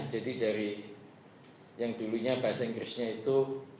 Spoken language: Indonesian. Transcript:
jadi dari yang dulunya bahasa inggrisnya itu